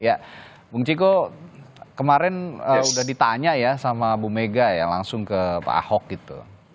ya bung ciko kemarin udah ditanya ya sama bu mega ya langsung ke pak ahok gitu